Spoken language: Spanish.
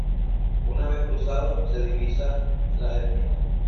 Una vez cruzado, se divisa la ermita.